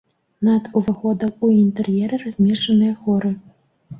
Над уваходам у інтэр'еры размешчаныя хоры.